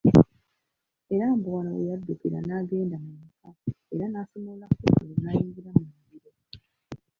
Era mbu wano we yaddukira n’agenda mu mukka era n’asumulula kkufulu n’ayingira mu muliro.